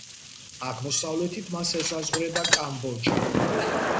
აღმოსავლეთით მას ესაზღვრება კამბოჯა.